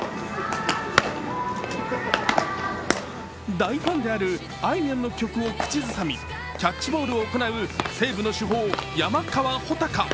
大ファンであるあいみょんの曲を口ずさみキャッチボールを行う西武の主砲、山川穂高。